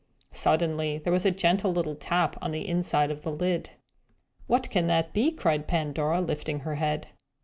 Suddenly there was a gentle little tap on the inside of the lid. "What can that be?" cried Pandora, lifting her head.